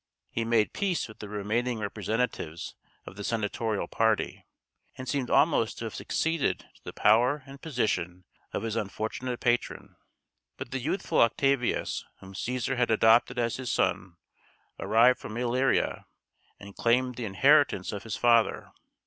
He made peace with the remaining representatives of the senatorial party, and seemed almost to have succeeded to the power and position of his unfortunate patron. But the youthful Octavius, whom Cæsar had adopted as his son, arrived from Illyria, and claimed the inheritance of his "father."